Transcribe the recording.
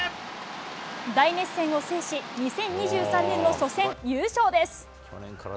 大熱戦を制し、２０２３年の初戦、優勝です。